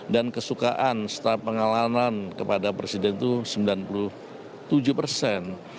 dan kesukaan setelah pengalanan kepada presiden itu sembilan puluh tujuh persen